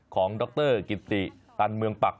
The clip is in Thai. ของดรกิตติตานเมืองปัก